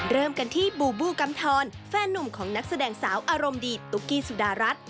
เริ่มกันที่บูบูกำทรแฟนนุ่มของนักแสดงสาวอารมณ์ดีตุ๊กกี้สุดารัฐ